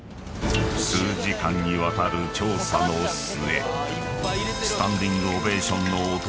［数時間にわたる調査の末］